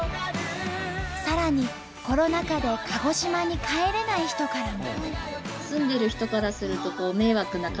さらにコロナ禍で鹿児島に帰れない人からも。